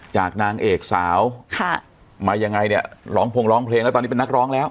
นางเอกสาวค่ะมายังไงเนี่ยร้องพงร้องเพลงแล้วตอนนี้เป็นนักร้องแล้ว